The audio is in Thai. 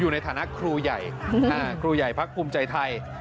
ในฐานะครูใหญ่ครูใหญ่พักภูมิใจไทย